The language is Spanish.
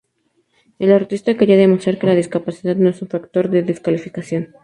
El artista quería demostrar que la discapacidad no es un factor de descalificación.